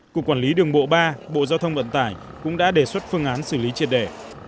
cục quản lý đường bộ ba bộ giao thông vận tải cũng đã đề xuất phương án xử lý triệt đề